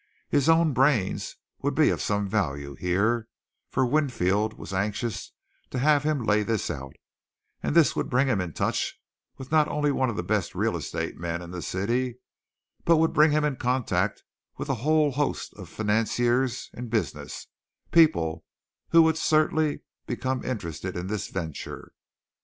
His own brains would be of some value here, for Winfield was anxious to have him lay this out, and this would bring him in touch with not only one of the best real estate men in the city, but would bring him into contact with a whole host of financiers in business, people who would certainly become interested in this venture.